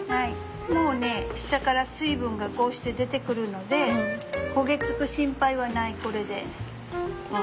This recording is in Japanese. もうね下から水分がこうして出てくるので焦げ付く心配はないこれで。